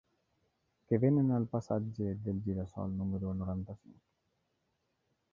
Què venen al passatge del Gira-sol número noranta-cinc?